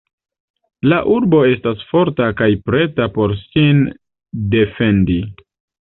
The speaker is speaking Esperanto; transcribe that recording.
La urbo estas forta kaj preta por sin defendi.